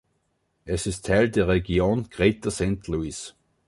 Es ist Teil der Region Greater Saint Louis.